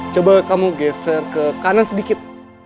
coba kamu geser ke kanan sedikit